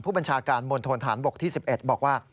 ผู้บัญชาการมณฑนฐานบกที่๑๑บอกว่า